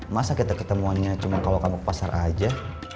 masa kita ketemuannya cuma kalau kamu ke pasar aja